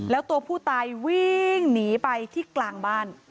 แล้วตัวผู้ตายวิ่งหนีไปที่กลางบ้าน